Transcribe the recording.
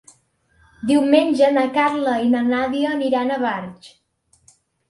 Diumenge na Carla i na Nàdia aniran a Barx.